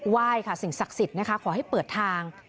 ยค่ะสิ่งศักดิ์สิทธิ์นะคะขอให้เปิดทาง